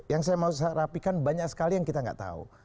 yang saya mau rapikan banyak sekali yang kita nggak tahu